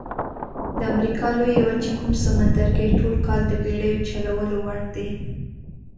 د امریکا لویې وچې کوم سمندرګي ټول کال د بېړیو چلولو وړ دي؟